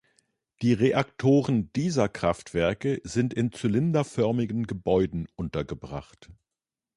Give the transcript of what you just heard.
Die Reaktoren dieser Kraftwerke sind in zylinderförmigen Gebäuden untergebracht.